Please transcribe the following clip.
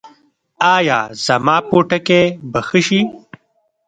ایا زما پوټکی به ښه شي؟